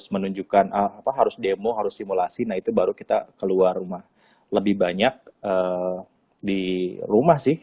menunjukkan apa harus demo harus simulasi nah itu baru kita keluar rumah lebih banyak di rumah sih